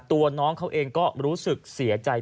ตัวน้องเขาเองก็รู้สึกเสียใจ